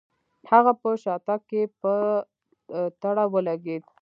هغه په شاتګ کې په تړه ولګېد.